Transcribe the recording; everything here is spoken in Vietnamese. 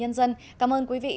doanh nhân và điều dưỡng viên